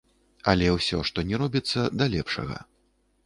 Але ўсё, што ні робіцца, да лепшага.